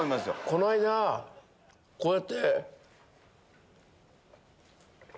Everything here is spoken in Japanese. この間こうやって。